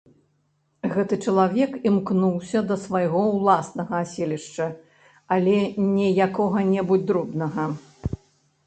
Гэты чалавек імкнуўся да свайго ўласнага аселішча, але не якога-небудзь дробнага.